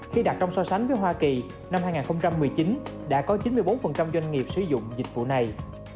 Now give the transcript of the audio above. khi đặt trong so sánh với hoa kỳ năm hai nghìn một mươi chín đã có chín mươi bốn doanh nghiệp sử dụng dịch vụ này